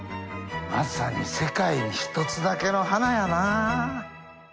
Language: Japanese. まさに世界に一つだけの花やなぁ。